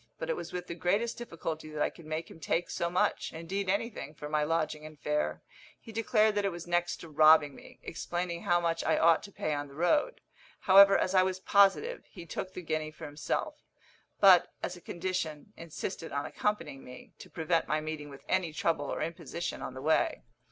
But it was with the greatest difficulty that I could make him take so much indeed anything for my lodging and fare. He declared that it was next to robbing me, explaining how much I ought to pay on the road. However, as I was positive, he took the guinea for himself; but, as a condition, insisted on accompanying me, to prevent my meeting with any trouble or imposition on the way.